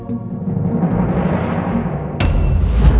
saya sudah selesai mencari